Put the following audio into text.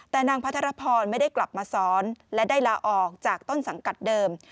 แต่นางพัทรพรไม่ได้กลับมาสอนและได้ลาออกจากต้นสังกัดเดิม